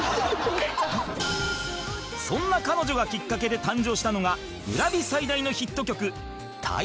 そんな彼女がきっかけで誕生したのがブラビ最大のヒット曲『Ｔｉｍｉｎｇ』